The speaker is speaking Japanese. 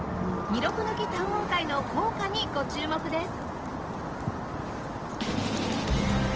２・６抜き短音階の効果にご注目です！